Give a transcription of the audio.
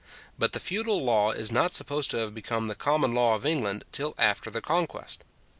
But the feudal law is not supposed to have become the common law of England till after the Conquest.